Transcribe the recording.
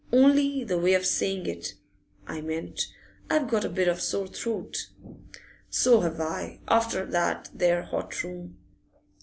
Only the way of saying it, I meant I've got a bit of a sore throat.' 'So have I. After that there hot room.